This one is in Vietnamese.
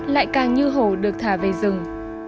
lại càng như hồ được thả về rừng